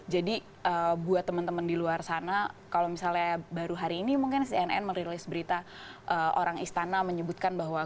buat teman teman di luar sana kalau misalnya baru hari ini mungkin cnn merilis berita orang istana menyebutkan bahwa